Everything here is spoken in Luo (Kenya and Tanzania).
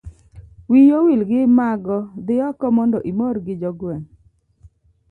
wiyi owil gi mago dhi oko mondo imorgi jogweng'